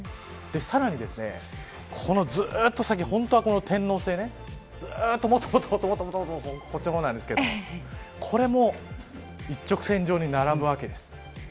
さらに、このずっと先本当は、この天王星もっともっとこっちの方なんですけどこれも一直線上に並ぶわけです。